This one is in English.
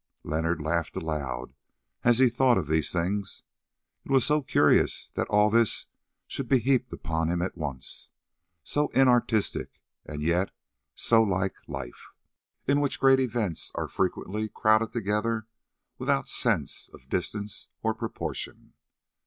Leonard laughed aloud as he thought of these things; it was so curious that all this should be heaped upon him at once, so inartistic and yet so like life, in which the great events are frequently crowded together without sense of distance or proportion.